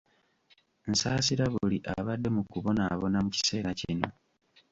Nsaasira buli abadde mu kubonabona mu kiseera kino.